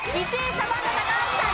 サバンナ高橋さん